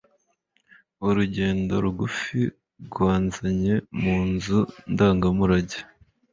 Urugendo rugufi rwanzanye mu nzu ndangamurage.